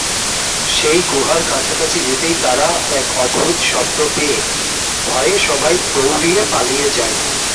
সেই গুহার কাছাকাছি যেতেই তারা এক অদ্ভুত শব্দ পেয়ে ভয়ে সবাই দৌড়িয়ে পালিয়ে যায়।